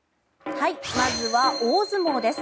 まずは大相撲です。